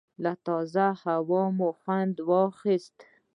له تازه هوا مو خوند واخیست.